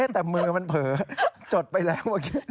แต่มือมันเผยจดไปแล้ว